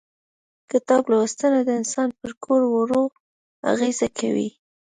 کتاب لوستنه د انسان پر کړو وړو اغيزه کوي.